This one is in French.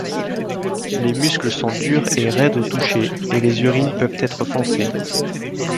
Les muscles sont durs et raides au toucher et les urines peuvent être foncées.